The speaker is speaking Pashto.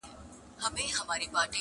نه ادا سول د سرکار ظالم پورونه.!